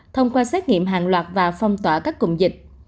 thông qua xét nghiệm hàng loạt và phong tỏa các cụm dịch